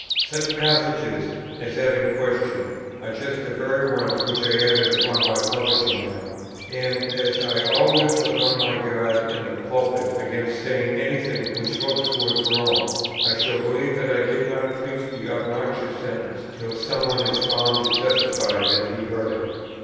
Such passages, as that in question, are just the very ones which I added upon my publishing them; and, as I always was on my guard in the pulpit against saying any thing which looked towards Rome, I shall believe that I did not preach the obnoxious sentence till some one is found to testify that he heard it.